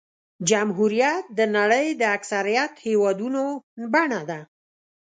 جمهوریت د نړۍ د اکثریت هېوادونو بڼه ده.